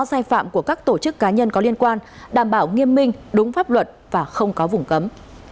sai phạm của các tổ chức cá nhân có liên quan đảm bảo nghiêm minh đúng pháp luật và không có vùng cấm